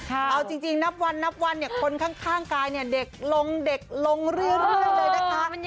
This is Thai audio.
เอาจริงนับวันคนข้างกลายเด็กลงเด็กลงเรื่อยเลยนะคะ